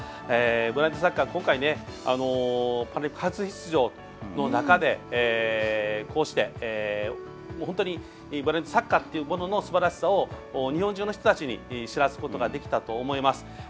ブラインドサッカーは今回日本がパラリンピック初出場の中で本当にブラインドサッカーというもののすばらしさを日本中の人たちに知らせることができたと思います。